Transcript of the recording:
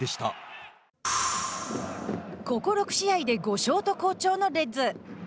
ここ６試合で５勝と好調のレッズ。